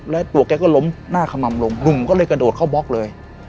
แล้วตัวแกก็ล้มหน้าขม่ำลงหนุ่มก็เลยกระโดดเข้าบล็อกเลย